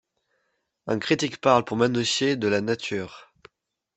Un critique parle, pour Manessier, de de la nature.